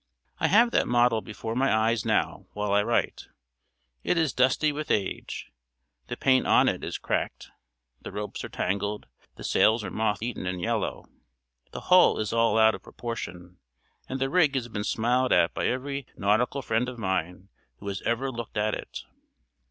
I have that model before my eyes now while I write. It is dusty with age; the paint on it is cracked; the ropes are tangled; the sails are moth eaten and yellow. The hull is all out of proportion, and the rig has been smiled at by every nautical friend of mine who has ever looked at it.